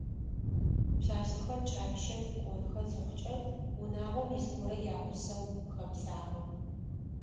Пшъашъэхэр кӏапщэм кӏонхэ зыхъукӏэ, унагъом ис горэ ягъусэу хэбзагъэ.